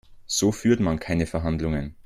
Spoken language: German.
So führt man keine Verhandlungen.